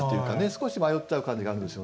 少し迷っちゃう感じがあるんですよね。